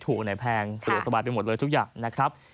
ถูกไหนแพงสบายไปหมดเลยทุกอย่างนะครับ